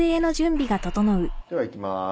ではいきまーす。